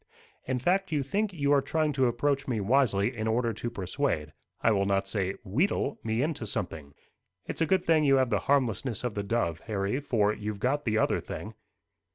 "In fact, you think you are trying to approach me wisely, in order to persuade, I will not say wheedle, me into something. It's a good thing you have the harmlessness of the dove, Harry, for you've got the other thing."